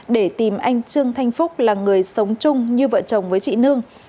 để tìm anh trương thanh phúc là người sống chung như vợ chồng với chị nương